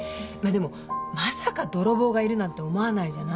でもまさか泥棒がいるなんて思わないじゃない。